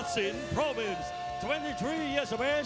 ตอนนี้มวยกู้ที่๓ของรายการ